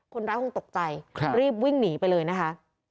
คนร้ายคงตกใจรีบวิ่งหนีไปเลยนะคะ